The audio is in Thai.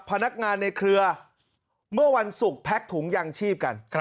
พนักงานในเครือเมื่อวันศุกร์แพ็กถุงยางชีพกัน